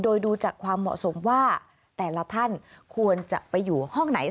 โดยดูจากความเหมาะสมว่าแต่ละท่านควรจะไปอยู่ห้องไหน